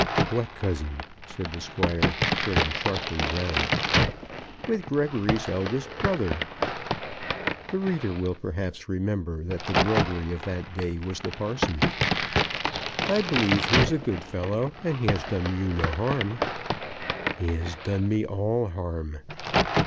"What cousin?" said the Squire, turning sharply round. "With Gregory's eldest brother." The reader will perhaps remember that the Gregory of that day was the parson. "I believe he is a good fellow, and he has done you no harm." "He has done me all harm."